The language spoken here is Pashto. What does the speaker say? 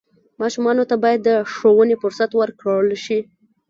ماشومانو ته باید د ښوونې فرصت ورکړل شي.